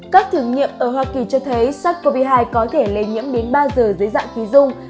các thử nghiệm ở hoa kỳ cho thấy sars cov hai có thể lây nhiễm đến ba giờ dưới dạng khí dung